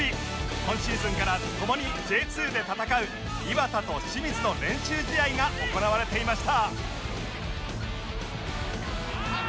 今シーズンから共に Ｊ２ で戦う磐田と清水の練習試合が行われていました